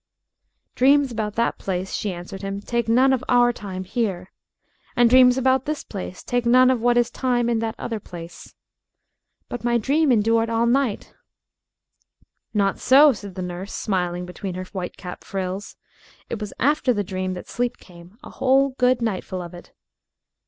"Dreams about that place," she answered him, "take none of our time here. And dreams about this place take none of what is time in that other place." "But my dream endured all night," objected Dickie. "Not so," said the nurse, smiling between her white cap frills. "It was after the dream that sleep came a whole good nightful of it."